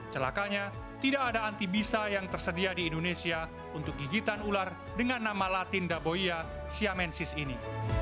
celakanya tidak ada anti bisa yang tersedia di indonesia untuk gigitan ular dengan nama latin daboya siamensis ini